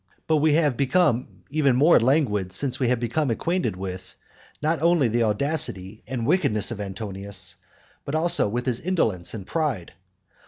But we have become even more languid since we have become acquainted with, not only the audacity and wickedness of Antonius, but also with his indolence and pride.